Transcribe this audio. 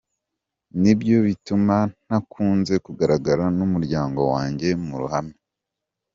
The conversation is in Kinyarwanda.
Nibyo bituma ntakunze kugaragara n’umuryango wanjye mu ruhame”.